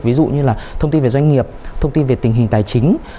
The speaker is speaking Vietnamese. ví dụ như là thông tin về doanh nghiệp thông tin về tình hình tài chính